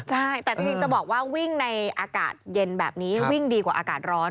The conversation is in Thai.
ใช่แต่จริงจะบอกว่าวิ่งในอากาศเย็นแบบนี้วิ่งดีกว่าอากาศร้อน